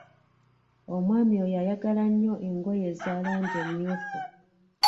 Omwami oyo ayagala nnyo engoye eza langi emyufu.